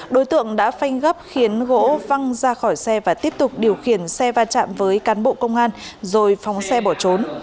đối tượng đã phanh gấp khiến gỗ văng ra khỏi xe và tiếp tục điều khiển xe va chạm với cán bộ công an rồi phóng xe bỏ trốn